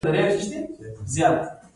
کرنه څنګه میکانیزه کړو؟